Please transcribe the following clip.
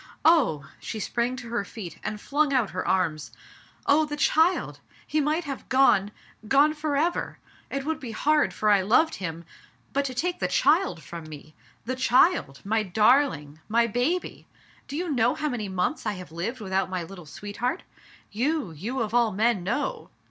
Oh !" She sprang to her feet, and flung out her arms. Oh ! the child ! He might have gone — gone forever. It would be hard, for I loved him ; but to take the child from me ! The child ! My darling! My baby! Do you know how many months I have lived without my little sweet heart? You, you of all men know